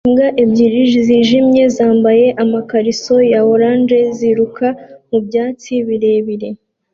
Imbwa ebyiri zijimye zambaye amakariso ya orange ziruka mu byatsi birebire